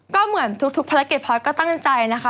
ก็เหมือนทุกภารกิจพอร์ตก็ตั้งใจนะคะ